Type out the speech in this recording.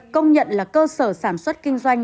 công nhận là cơ sở sản xuất kinh doanh